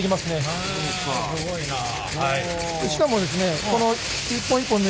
へえすごいなあ。